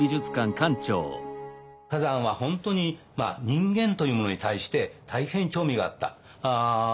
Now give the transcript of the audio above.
崋山は本当に人間というものに対して大変興味があった。